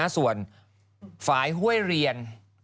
ส่วนฝ่ายห้วยเรียน